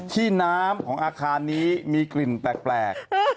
ที่น้ำของอาคารนี้มีกลิ่นแปลก